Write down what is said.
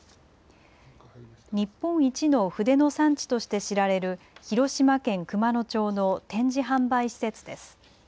日本一の筆の産地として知られる広島県熊野町の展示販売施設です。